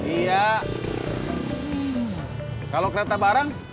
iya kalau kereta barang